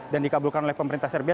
dan dikabulkan oleh pemerintah serbia